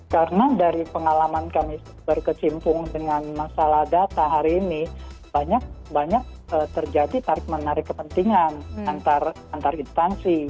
karena dari pengalaman kami berkecimpung dengan masalah data hari ini banyak terjadi tarik menarik kepentingan antar instansi